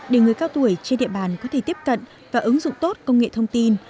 để người cao tuổi trên địa bàn có thể tiếp cận và ứng dụng tốt công nghệ thông tin